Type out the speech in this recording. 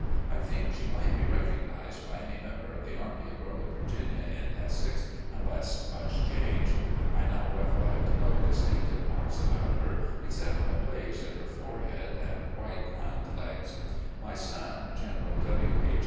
I think she might be recognised by any member of the Army of Northern Virginia, in Essex, unless much changed. I now recollect no distinctive marks about h#: ^cept a blaze in her forehead and white hind legs, my son, General W. H.